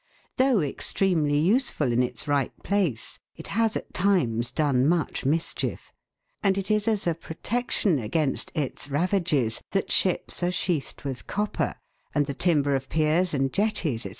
Though extremely useful in its right place, it has at times done much mischief; and it is as a protection against its ravages that ships are sheathed with copper, and the timbers of piers and jetties, &c.